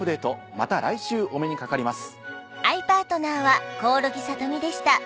また来週お目にかかります。